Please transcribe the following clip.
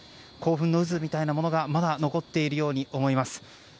興奮の渦みたいなものがまだ残っているように思います。